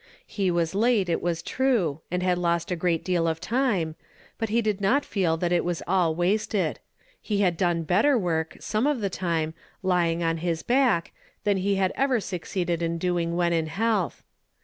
I le was late, it was true, and had lost a great deal of time ; but he did not feel that it was all wasted ; he had done better work, some of the time, lying on his back, than he had ever succeeded in doing when in health.